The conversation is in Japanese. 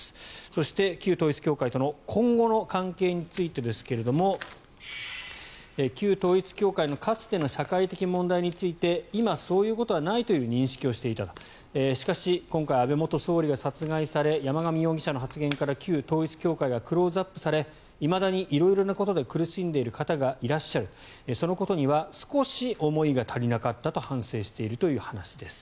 そして、旧統一教会との今後の関係についてですが旧統一教会のかつての社会的問題について今、そういうことはないという認識をしていたしかし、今回安倍元総理が殺害され山上容疑者の発言から旧統一教会がクローズアップされいまだに色々なことで苦しんでいらっしゃる方がいらっしゃるそのことには少し思いが足りなかったと反省しているという話です。